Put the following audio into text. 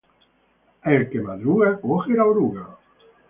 El que madruga coge la oruga.